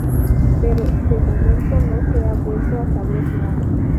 Pero, de momento, no se ha vuelto a saber nada.